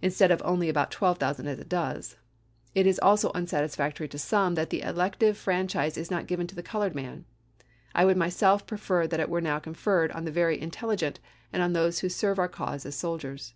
instead of only about 12,000, as it does. It is also unsatisfactory to some that the elective franchise is not given to the colored man. I would myself prefer that it were now conferred on the very intel ligent, and on those who serve our cause as soldiers.